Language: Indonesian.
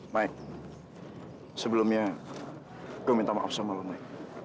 baik sebelumnya gue minta maaf sama lo mai